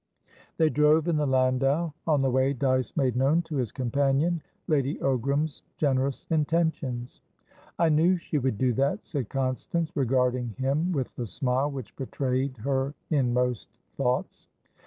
They drove in the landau. On the way, Dyce made known to his companion Lady Ogram's generous intentions. "I knew she would do that," said Constance, regarding him with the smile which betrayed her inmost thoughts.